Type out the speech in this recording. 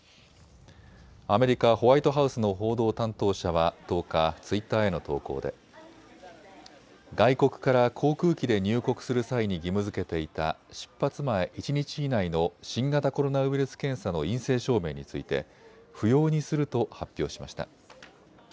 アメリカ・ホワイトハウスの報道担当者は１０日、ツイッターへの投稿で外国から航空機で入国する際に義務づけていた出発前一日以内の新型コロナウイルス検査の陰性証明について不要にすると発表しました。